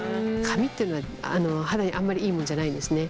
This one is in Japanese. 紙っていうのは肌にあんまりいいもんじゃないんですね。